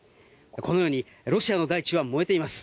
このようにロシアの大地は燃えています。